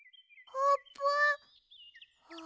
あーぷん？